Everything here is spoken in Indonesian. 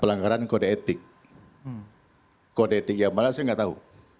pelanggaran kode etik kode etik ya malah saya nggak tahu